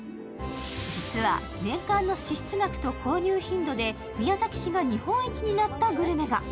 実は、年間の支出額と購入頻度で宮崎市が日本一になったグルメが。